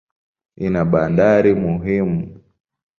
Ina bandari muhimu.